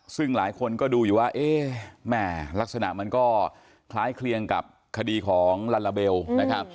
ซึ่งหลายคนก็ดูอยู่ว่าเอ๊ะแม่ลักษณะมันก็คล้ายเคลียงกับคดีของลาลาเบลนะครับ